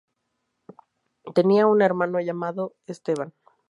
Tenía un hermano llamado Esteban.